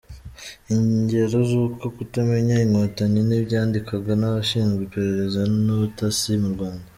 Ingero z’uko kutamenya Inkotanyi ni ibyandikwaga n’abashinzwe iperereza n’ubutasi mu Rwanda.